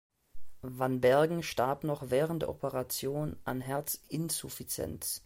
Van Bergen starb noch während der Operation an Herzinsuffizienz.